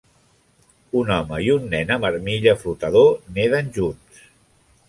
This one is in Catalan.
Un home i un nen amb armilla flotador neden junts